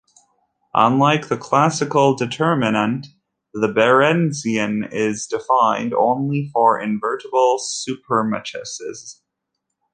Unlike the classical determinant, the Berezinian is defined only for invertible supermatrices.